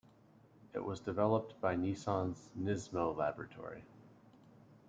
It was developed by Nissan's Nismo laboratory.